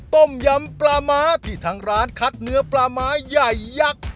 ต้มยำปลาม้าที่ทางร้านคัดเนื้อปลาม้าใหญ่ยักษ์